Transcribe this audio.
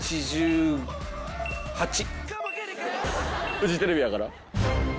フジテレビやから？